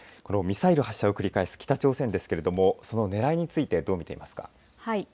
ミサイル発射を繰り返す北朝鮮ですけれどもそのねらいについてどう見てますか。